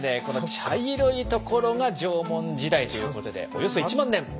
この茶色いところが「縄文時代」ということでおよそ１万年！